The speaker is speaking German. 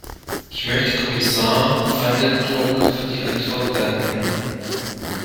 Ich möchte Kommissar Van den Broek für die Antwort danken.